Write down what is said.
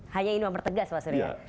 hanya ini yang mempertegas pak surya